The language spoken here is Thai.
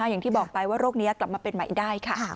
อย่างที่บอกไปว่าโรคนี้กลับมาเป็นใหม่ได้ค่ะ